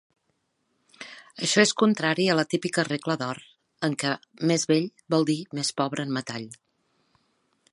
Això és contrari a la típica regla d'or en què "més vell" vol dir "més pobre en metall".